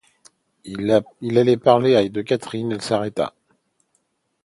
Elle allait parler de Catherine, elle s’arrêta.